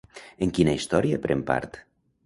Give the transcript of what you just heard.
En quina història pren part?